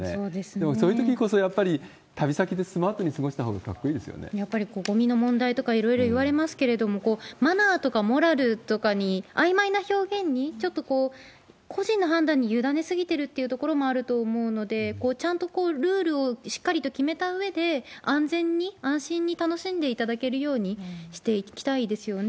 でも、そういうときこそ、やっぱり旅先でスマートに過ごしたやっぱりごみの問題とか、いろいろいわれますけれども、マナーとかモラルとかに、あいまいな表現に、ちょっと個人の判断に委ね過ぎてるってところもあると思うので、ちゃんとルールをしっかりと決めたうえで、安全に、安心に楽しんでいただけるようにしていきたいですよね。